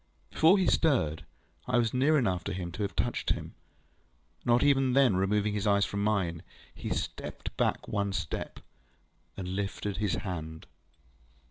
Before he stirred, I was near enough to him to have touched him. Not even then removing his eyes from mine, he stepped back one step, and lifted his hand.